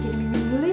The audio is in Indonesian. ya duduk yuk